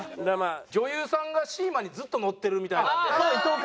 女優さんがシーマにずっと乗ってるみたいなの。